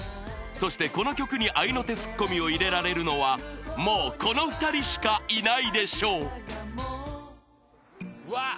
［そしてこの曲に合いの手ツッコミを入れられるのはもうこの２人しかいないでしょう］